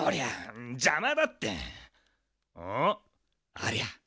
ありゃ！